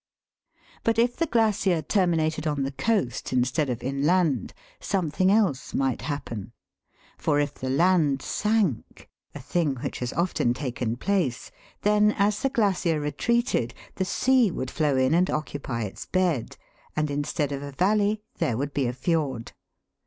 But if the glacier terminated on the coast instead of in land, something else might happen ; for if the land sank a thing which has often taken place then, as the glacier retreated, the sea would flow in and occupy its bed, and in stead of a valley there would be a fjord.